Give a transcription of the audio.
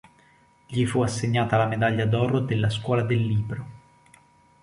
Gli fu assegnata la medaglia d'oro della scuola del libro.